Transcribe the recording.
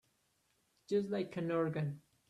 Just like an organ.